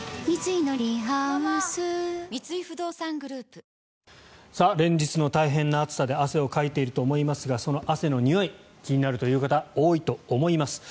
はじけすぎでしょ『三ツ矢サイダー』連日の大変な暑さで汗をかいていると思いますがその汗のにおい気になるという方多いと思います。